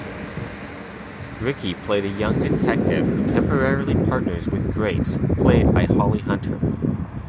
Ricci played a young detective who temporarily partners with Grace, played by Holly Hunter.